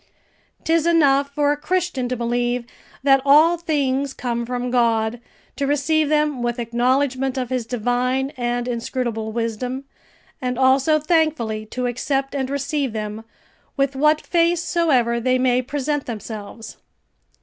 'Tis enough for a Christian to believe that all things come from God, to receive them with acknowledgment of His divine and inscrutable wisdom, and also thankfully to accept and receive them, with what face soever they may present themselves.